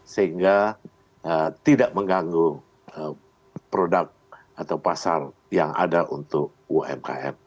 sehingga tidak mengganggu produk atau pasar yang ada untuk umkm